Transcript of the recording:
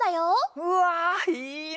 うわいいな！